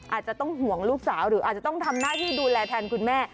อาจจะต้องห่วงลูกสาวหรืออาจจะต้องทำหน้าที่ดูแลแทนคุณแม่